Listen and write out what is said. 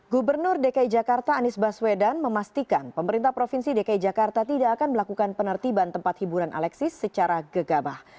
gubernur dki jakarta anies baswedan memastikan pemerintah provinsi dki jakarta tidak akan melakukan penertiban tempat hiburan alexis secara gegabah